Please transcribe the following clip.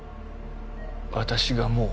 私がもう